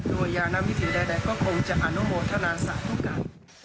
โดยยานวิถีใดก็คงจะอนุโมทนาศาสตร์ทุกการ